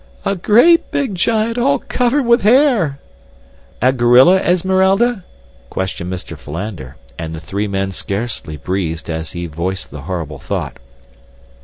"A great big giant all covered with hair." "A gorilla, Esmeralda?" questioned Mr. Philander, and the three men scarcely breathed as he voiced the horrible thought.